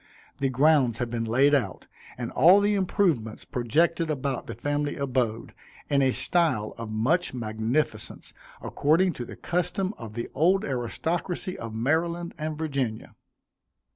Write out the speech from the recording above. The grounds had been laid out, and all the improvements projected about the family abode, in a style of much magnificence, according to the custom of the old aristocracy of Maryland and Virginia.